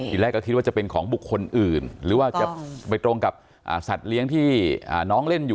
ทีแรกก็คิดว่าจะเป็นของบุคคลอื่นหรือว่าจะไปตรงกับสัตว์เลี้ยงที่น้องเล่นอยู่